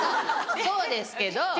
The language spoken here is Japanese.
そうですけど。